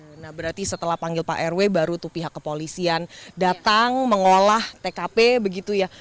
benar berarti setelah panggil pak rw baru tuh pihak kepolisian datang mengolah tkp begitu ya